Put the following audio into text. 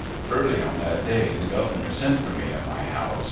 Early on that day the Governor sent for me at my house.